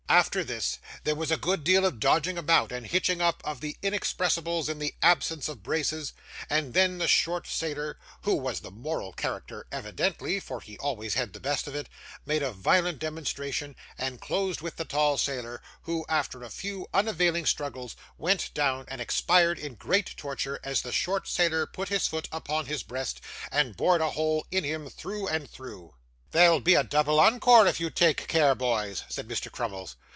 After this, there was a good deal of dodging about, and hitching up of the inexpressibles in the absence of braces, and then the short sailor (who was the moral character evidently, for he always had the best of it) made a violent demonstration and closed with the tall sailor, who, after a few unavailing struggles, went down, and expired in great torture as the short sailor put his foot upon his breast, and bored a hole in him through and through. 'That'll be a double ENCORE if you take care, boys,' said Mr. Crummles.